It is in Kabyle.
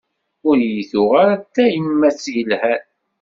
Ur yi-tuɣ ara d tayemmat yelhan.